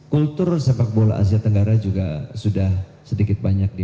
kultur sepak bola asia tenggara juga sudah sedikit banyak di